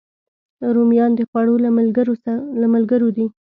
رومیان د خوړو له ملګرو دي